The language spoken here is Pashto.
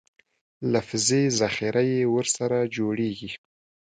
لفظي ذخیره یې ورسره جوړېږي.